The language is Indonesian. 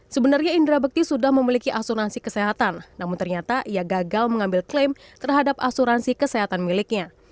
sebenarnya indra bekti sudah memiliki asuransi kesehatan namun ternyata ia gagal mengambil klaim terhadap asuransi kesehatan miliknya